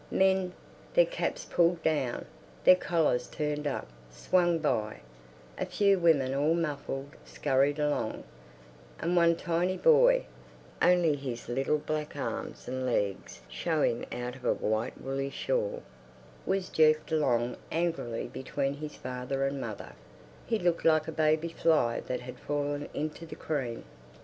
Men, their caps pulled down, their collars turned up, swung by; a few women all muffled scurried along; and one tiny boy, only his little black arms and legs showing out of a white woolly shawl, was jerked along angrily between his father and mother; he looked like a baby fly that had fallen into the cream.